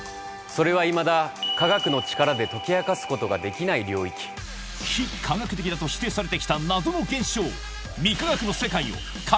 それはいまだ科学の力で解き明かすことができない領域非科学的だと否定されてきた謎の現象